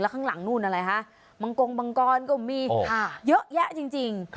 ข้างหลังนู่นอะไรฮะมังกงมังกรก็มีเยอะแยะจริง